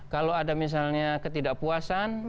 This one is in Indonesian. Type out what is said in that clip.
kalau ada misalnya ketidakpuasan